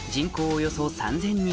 およそ３０００人